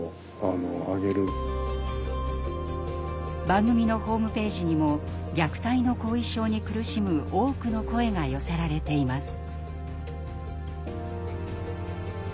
番組のホームページにも虐待の後遺症に苦しむ多くの声が寄せられています。